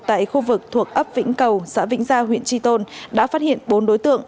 tại khu vực thuộc ấp vĩnh cầu xã vĩnh gia huyện tri tôn đã phát hiện bốn đối tượng